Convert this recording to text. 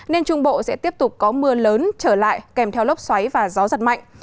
nên trung bộ sẽ tiếp tục có mưa lớn trở lại kèm theo lốc xoáy và gió giật mạnh